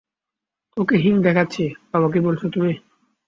তোকে হিং দেখাচ্ছি - বাবা কি বলছ তুমি?